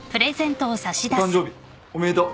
お誕生日おめでとう。